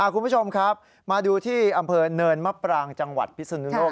คุณผู้ชมครับมาดูที่อำเภอเนินมะปรางจังหวัดพิศนุโลก